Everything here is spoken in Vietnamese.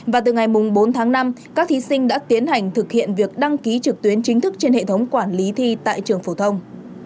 và từ ngày bốn tháng năm các thí sinh đã tiến hành thực hiện việc đăng ký trực tuyến chính thức trên hệ thống quản lý thi tại trường phổ thông